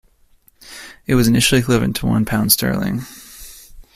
It was initially equivalent to one pound sterling.